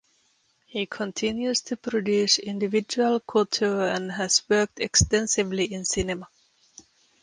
He continues to produce individual couture and has worked extensively in cinema.